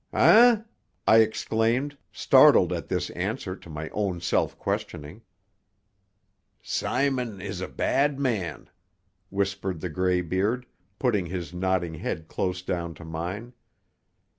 "Eh?" I exclaimed, startled at this answer to my own self questioning. "Simon is a bad man," whispered the greybeard, putting his nodding head close down to mine.